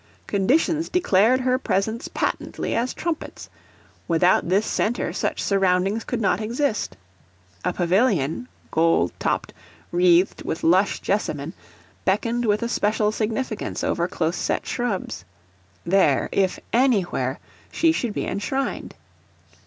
Conditions declared her presence patently as trumpets; without this centre such surroundings could not exist. A pavilion, gold topped, wreathed with lush jessamine, beckoned with a special significance over close set shrubs. There, if anywhere, She should be enshrined.